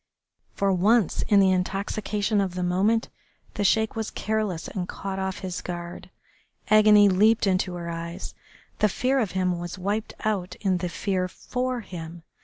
For once, in the intoxication of the moment, the Sheik was careless and caught off his guard. Agony leaped into her eyes. The fear of him was wiped out in the fear for him.